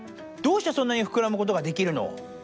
どうしてそんなにふくらむことができるの？